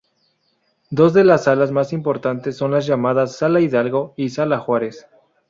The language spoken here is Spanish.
Dos de las salas más importantes son las llamadas Sala Hidalgo y Sala Juárez.